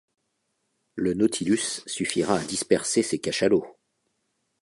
Le Nautilus suffira à disperser ces cachalots.